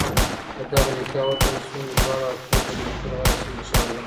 که دغه نکاح وتړل سوه، نو دواړه اړخونه به نيکمرغه ياست ان شاء الله.